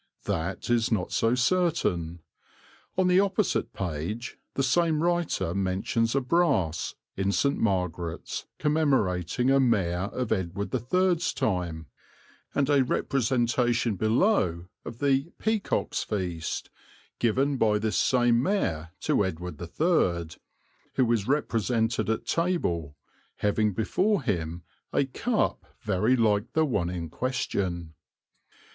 That is not so certain. On the opposite page the same writer mentions a brass in St. Margaret's commemorating a Mayor of Edward III's time, and a representation below of the "Peacock's Feast" given by this same mayor to Edward III, who is represented at table, having before him a cup very like the one in question.